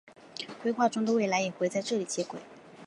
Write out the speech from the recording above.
规划中的未来也会在这里接轨。